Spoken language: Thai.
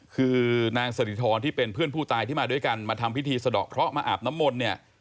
คือนางสถิธรที่เป็นเพื่อนผู้ตายที่มาด้วยกันมาทำพิธีสะดอกเคราะห์มาอาบน้ำมนต์เนี่ย